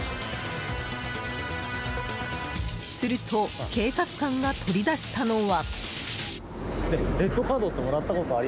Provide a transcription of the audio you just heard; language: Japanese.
すると警察官が取り出したのは。